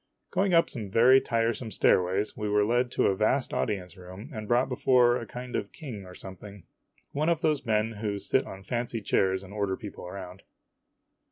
Going up some very tiresome stairways, we were led into a vast audience room and brought before a kind of king or something one of those men who sit on fancy chairs and order people around.